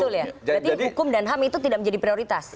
berarti hukum dan ham itu tidak menjadi prioritas